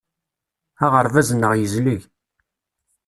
Aɣerbaz-nneɣ yezleg.